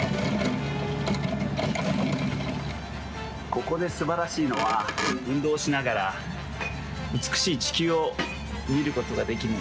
ここですばらしいのは運動しながらうつくしいちきゅうをみることができるんです。